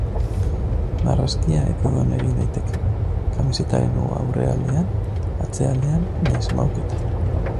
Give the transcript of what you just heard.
Marrazkia edonon egin daiteke, kamisetaren aurrealdean, atzealdean nahiz mahuketan.